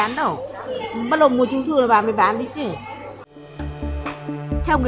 mua họ mua nhiều